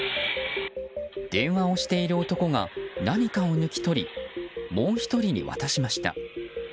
電話をしている男が何かを抜き取りもう１人に渡しました。